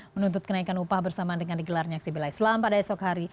menuntut kenaikan upah bersama dengan digelarnya aksi bela islam pada esok hari